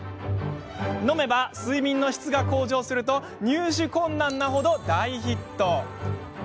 飲めば睡眠の質が向上すると入手困難な程、大ヒット。